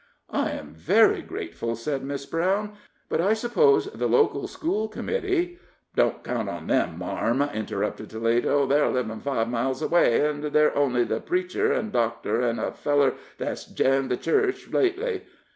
"I am very grateful," said Miss Brown; "but I suppose the local school committee " "Don't count on them, marm," interrupted Toledo; "they're livin' five miles away, and they're only the preacher, an' doctor, an' a feller that's j'ined the church lately.